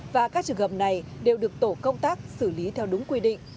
và các trường hợp này đều được tổ công tác xử lý theo đúng quy định